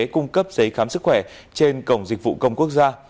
cung cấp giấy khám sức khỏe trên cổng dịch vụ công quốc gia